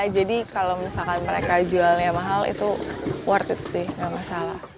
jadi kalau misalkan mereka jualnya mahal itu worth it sih gak masalah